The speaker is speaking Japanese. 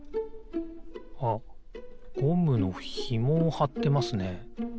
あっゴムのひもをはってますね。